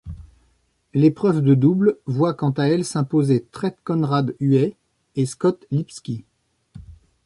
L'épreuve de double voit quant à elle s'imposer Treat Conrad Huey et Scott Lipsky.